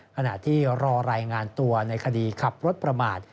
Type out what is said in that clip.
ขณะที่รอรายงานตัวในคดีขับรถประมาท